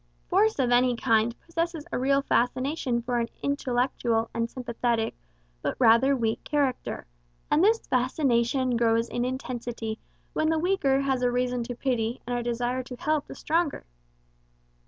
Force of any kind possesses a real fascination for an intellectual and sympathetic, but rather weak character; and this fascination grows in intensity when the weaker has a reason to pity and a desire to help the stronger.